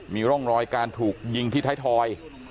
มีร่องรอยการถูกยิงที่ไทยทอย